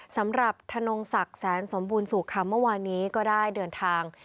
สำหรับธนงศักดิ์แสนสมบูรณสุขคำเมื่อวานนี้ก็ได้เดินทาง